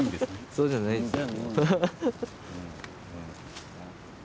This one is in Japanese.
そうじゃないんですよ。